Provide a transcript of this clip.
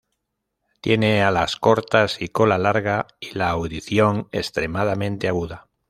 Tienen alas cortas y cola larga y la audición extremadamente aguda.